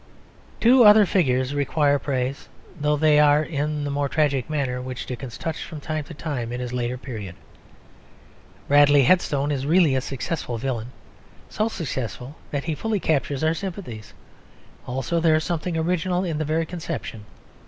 Two other figures require praise, though they are in the more tragic manner which Dickens touched from time to time in his later period. Bradley Headstone is really a successful villain; so successful that he fully captures our sympathies. Also there is something original in the very conception.